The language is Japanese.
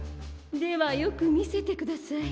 「ではよくみせてください。